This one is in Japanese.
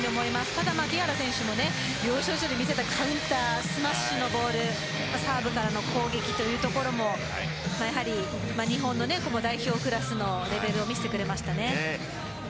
ただ木原選手も要所要所で見せたカウンタースマッシュのボールサーブからの攻撃というのもやはり日本の代表クラスのレベルを見せてくれました。